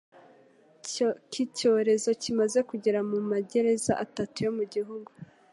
ki cyorezo kimaze kugera mu magereza atatu yo mu gihugu